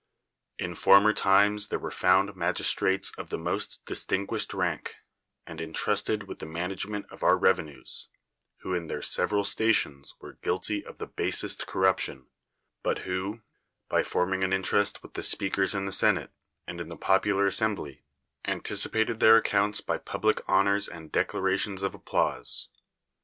In former times there were found magistrates of the most distinguished rank, and intrusted with the management of our revenues, who in their several stations were guilty of the basest corruption, but who, by forming an interest with the speakers in the senate and in the popular as sembly, anticipated their accounts by public hon ors and declarations of applause.